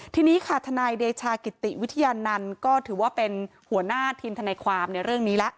ทีนี้ค่ะทนายเดชากิติวิทยานันต์ก็ถือว่าเป็นหัวหน้าทีมทนายความในเรื่องนี้แล้ว